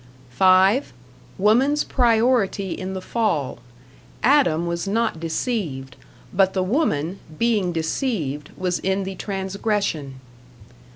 (5) Woman's priority in the fall. Adam was not deceived; but the woman, being deceived, was in the transgression.